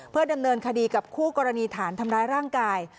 เพื่อดำเนินคดีกับคู่กรณีฐานทำร้ายร่างกาย